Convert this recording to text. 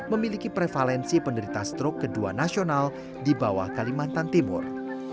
memiliki prevalensi penderita stroke kedua nasional di bawah kalimantan timur